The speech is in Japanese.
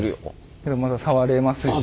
けどまだ触れますよね？